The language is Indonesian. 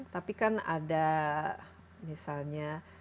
tapi kan ada misalnya